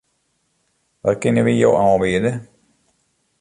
Wat kinne wy jo oanbiede?